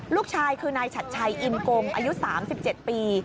ลูกชายคือนายฉัดชัยอินกงอายุ๓๗ปี